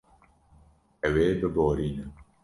Ew ê biborîne.